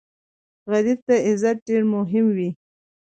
غریب ته عزت ډېر مهم وي